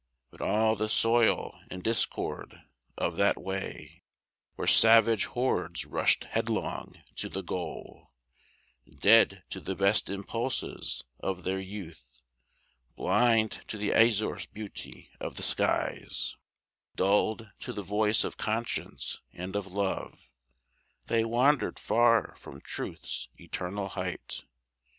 But ah! the soil and discord of that way, Where savage hordes rushed headlong to the goal, Dead to the best impulses of their youth, Blind to the azure beauty of the skies; Dulled to the voice of conscience and of love, They wandered far from Truth's eternal height.